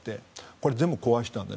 これは全部壊したんです。